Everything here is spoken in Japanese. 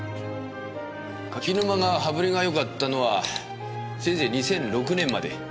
柿沼が羽振りが良かったのはせいぜい２００６年まで。